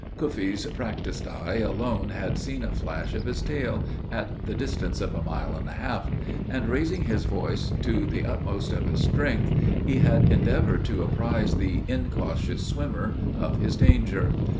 Cuffee's practiced eye alone had seen a flash of his tail, at the distance of a mile and a half; and, raising his voice to the utmost of his strength, he had endeavored to apprise the incautious swimmer of his danger.